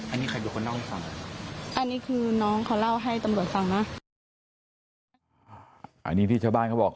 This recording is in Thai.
อันนี้คือน้องขอเล่าให้ตำรวจฟังนะอันนี้ที่ชาวบ้านเขาบอก